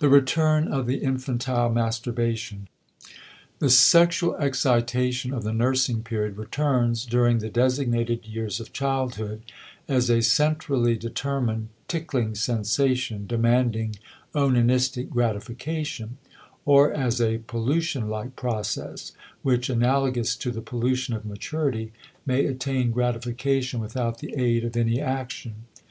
*The Return of the Infantile Masturbation.* The sexual excitation of the nursing period returns during the designated years of childhood as a centrally determined tickling sensation demanding onanistic gratification, or as a pollution like process which, analogous to the pollution of maturity, may attain gratification without the aid of any action.